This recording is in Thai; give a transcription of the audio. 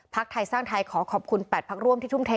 ไทยสร้างไทยขอขอบคุณ๘พักร่วมที่ทุ่มเท